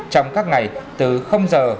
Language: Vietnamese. trong các ngày từ giờ